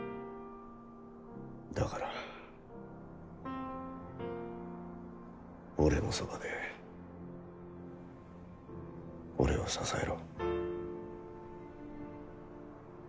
だから俺のそばで俺を支えろ。